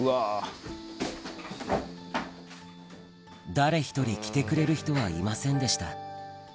誰１人着てくれる人はいませんでした